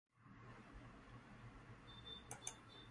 Adicione à minha lista de compras: tênis de academia e creatina